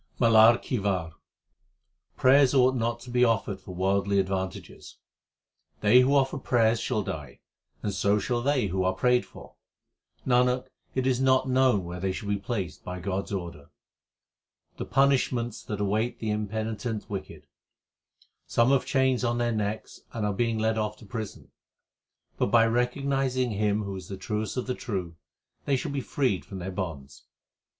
MALAR KI WAR Prayers ought not to be offered for worldly advan tages : They who offer prayers shall die, and so shall they who are prayed for. Nanak, it is not known where they shall be placed by God s order. The punishments that await the impenitent wicked : Some have chains on their necks and are being led off to prison ; But by recognizing Him who is the truest of the true, they shall be freed from their bonds.